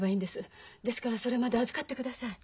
ですからそれまで預かってください。